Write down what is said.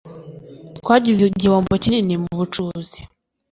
Twagize igihombo kinini mubucuruzi